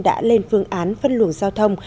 đã lên phương án văn luồng giao thông